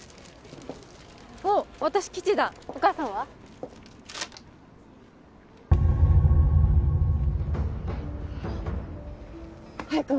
おっ私「吉」だお母さんは？